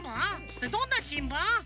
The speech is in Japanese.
それどんなしんぶん？